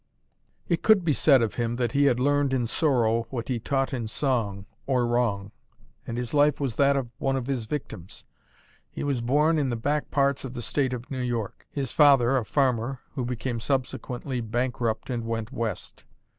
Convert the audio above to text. It could be said of him that he had learned in sorrow what he taught in song or wrong; and his life was that of one of his victims. He was born in the back parts of the State of New York; his father a farmer, who became subsequently bankrupt and went West.